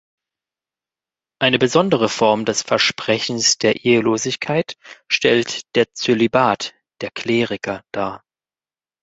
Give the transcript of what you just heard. Eine besondere Form des Versprechens der Ehelosigkeit stellt der Zölibat der Kleriker dar.